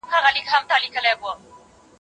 زه کالي نه وچوم؟!